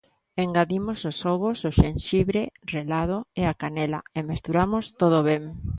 Engadimos os ovos, o xenxibre relado e a canela e mesturamos todo ben.